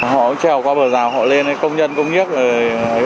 họ treo qua bờ rào họ lên công nhân công nghiệp